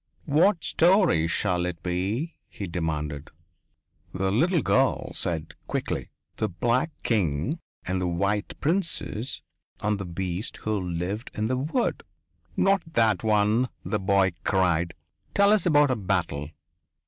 "What story shall it be?" he demanded. The little girl said quickly: "The black king and the white princess and the beast who lived in the wood." "Not that one," the boy cried. "Tell us about a battle."